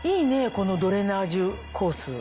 このドレナージュコース。